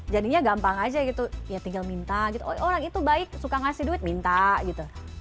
jadinya gampang aja gitu ya tinggal minta gitu oh orang itu baik suka ngasih duit minta gitu